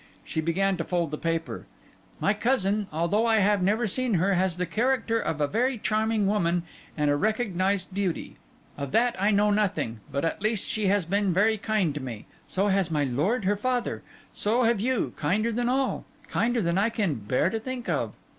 She began to fold the paper. 'My cousin, although I have never seen her, has the character of a very charming woman and a recognised beauty; of that I know nothing, but at least she has been very kind to me; so has my lord her father; so have you—kinder than all—kinder than I can bear to think of.